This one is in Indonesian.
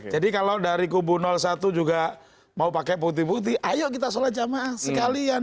jadi kalau dari kubur satu juga mau pakai putih putih ayo kita sholat jamaah sekalian